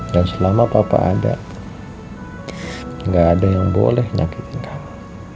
dan selama papa ada gak ada yang boleh nyakitin kamu